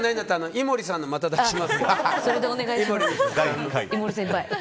井森先輩。